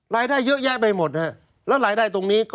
รายได้เยอะแยะไปหมดฮะแล้วรายได้ตรงนี้ก็